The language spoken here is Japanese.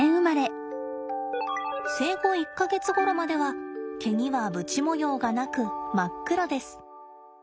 生後１か月ごろまでは毛にはぶち模様がなく真っ黒です。